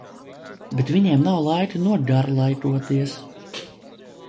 Bet viņiem nav laika nogarlaikoties.